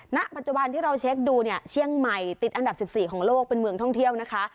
ณปัจจุบันที่เราเช็คดูเนี่ยเชียงใหม่ติดอันดับ๑๔ของโลกเป็นเมืองท่องเที่ยวนะคะ